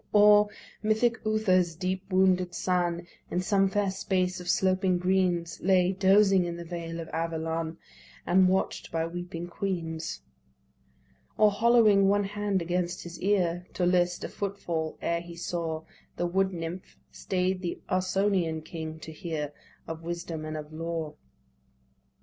Or mythic Uther's deeply wounded son In some fair space of sloping greens Lay, dozing in the vale of Avalon, And watch'd by weeping queens. Or hollowing one hand against his ear, To list a foot fall, ere he saw The wood nymph, stay'd the Ausonian king to hear Of wisdom and of law.